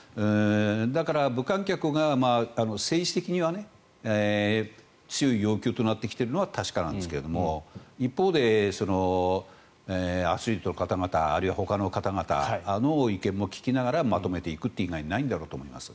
だから、無観客が政治的には強い要求となってきてるのは確かなんですけど一方で、アスリートの方々あるいはほかの方々の意見も聞きながらまとめていく以外ないんだろうと思います。